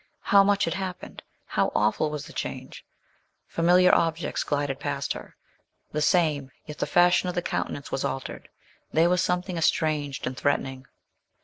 How much had happened! how awful was the change! Familiar objects glided past her, the same, yet the fashion of the countenance was altered; there was something estranged and threatening.